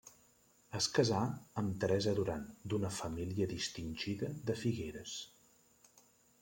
Es casà amb Teresa Duran d'una família distingida de Figueres.